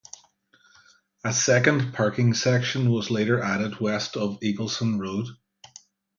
A second parking section was later added west of Eagleson Road.